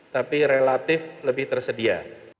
tapi relatif lebih tersedia